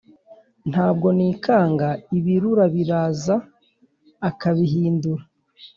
ntabwo nikanga, ibirura biraza akabihinda